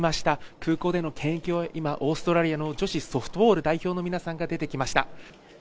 空港での検疫を今、終え、オーストラリア女子ソフトボールの皆さんが出てきました。